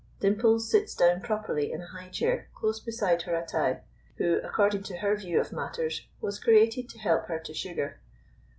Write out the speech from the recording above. Dimples sits down properly in a high chair close beside her Attai, who, according to her view of matters, was created to help her to sugar.